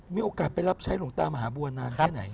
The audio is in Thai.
มีโอกาสไปรับใช้หลวงตามหาบัวนานแค่ไหน